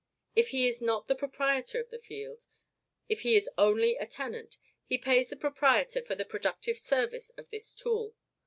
If he is not the proprietor of the field, if he is only a tenant, he pays the proprietor for the productive service of this tool.